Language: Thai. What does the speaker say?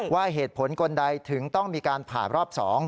ว่าเหตุผลคนใดถึงต้องมีการผ่ารอบ๒